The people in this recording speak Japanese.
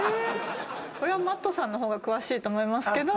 これはＭａｔｔさんの方が詳しいと思いますけど。